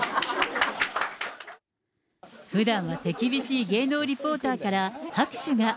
ふだんは手厳しい芸能リポーターから拍手が。